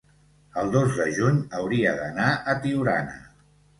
el dos de juny hauria d'anar a Tiurana.